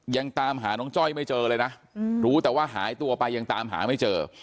ยังตามหาน้องจ้อยไม่เจอเลยนะรู้แต่ว่าหายตัวไปยังตามหาไม่เจอ